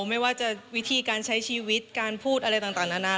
ไม่ว่าจะวิธีการใช้ชีวิตการพูดอะไรต่างนานา